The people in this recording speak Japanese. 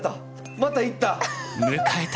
また行った！